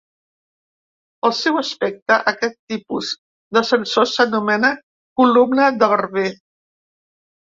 Pel seu aspecte, aquest tipus de sensor s'anomena "columna de barber".